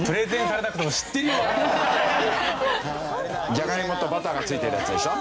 ジャガイモとバターが付いてるやつでしょ？